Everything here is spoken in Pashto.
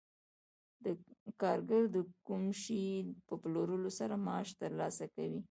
کارګر د کوم شي په پلورلو سره معاش ترلاسه کوي